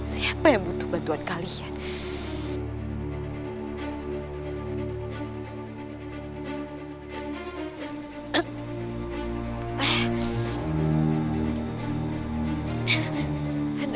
siapa yang butuh bantuan kalian